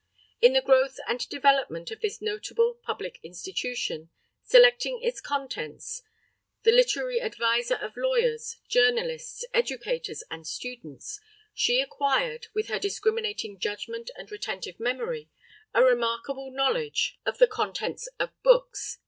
In the growth and development of this notable public institution, selecting its contents, the literary advisor of lawyers, journalists, educators and students, she acquired, with her discriminating judgment and retentive memory, a remarkable knowledge of the contents of books.